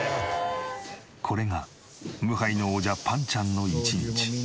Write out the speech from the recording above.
これが無敗の王者ぱんちゃんの１日。